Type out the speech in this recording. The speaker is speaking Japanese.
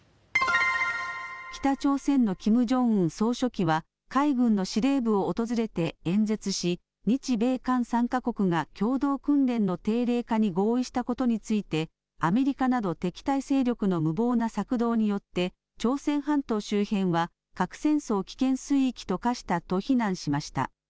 北朝鮮のキム・ジョンウン総書記は海軍の司令部を訪れて演説し日米韓３か国が共同訓練の定例化に合意したことについてアメリカなど敵対勢力の無謀な策動によって朝鮮半島周辺は核戦争危険水域と化したと非難しました。